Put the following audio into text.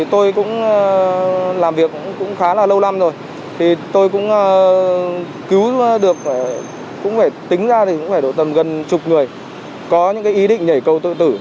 tôi cũng làm việc khá là lâu lắm rồi tôi cũng cứu được tính ra tầm gần chục người có những ý định nhảy câu tự tử